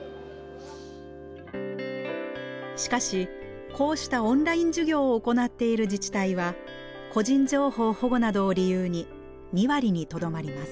しかしこうしたオンライン授業を行っている自治体は個人情報保護などを理由に２割にとどまります。